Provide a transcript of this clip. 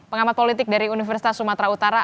pengamat politik dari universitas sumatera utara